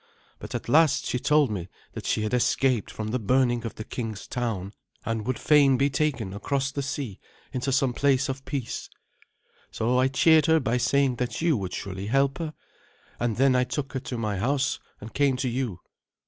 But at last she told me that she had escaped from the burning of the king's town, and would fain be taken across the sea into some place of peace. So I cheered her by saying that you would surely help her; and then I took her to my house and came to you.